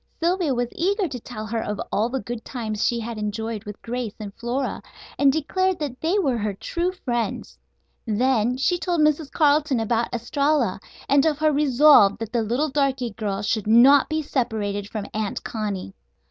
Sylvia was eager to tell her of all the good times she had enjoyed with Grace and Flora, and declared that they were her true friends. Then she told Mrs. Carleton about Estralla, and of her resolve that the little darky girl should not be separated from Aunt Connie.